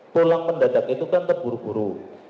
pulang mendadak itu kan terburu buru